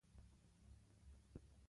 هغوی باید بدرګه شوي وای.